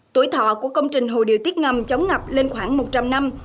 tuổi thọ của công trình hồ điều tiết ngầm chống ngập lên khoảng một trăm linh năm